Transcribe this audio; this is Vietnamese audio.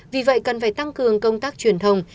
vì vậy cần phải tăng cường công tác truyền thông